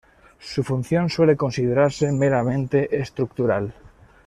Su función suele considerarse meramente estructural.